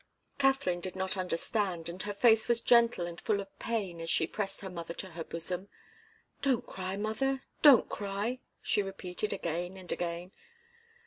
Katharine did not understand, and her face was gentle and full of pain as she pressed her mother to her bosom. "Don't cry, mother don't cry!" she repeated again and again.